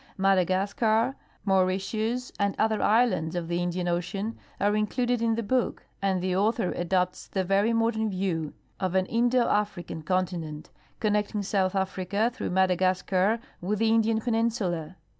^Madagascar, ^Mauritius, and other islands of the Indian ocean are included in the book, and the author adopts the very modern view of an " Indo African continent " connecting South Africa through Madagas(!ar with the Indian peninsula.